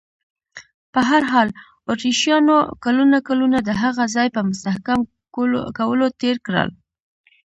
په هر حال، اتریشیانو کلونه کلونه د هغه ځای په مستحکم کولو تېر کړل.